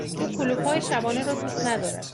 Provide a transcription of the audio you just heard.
او کلوپ های شبانه را دوست ندارد.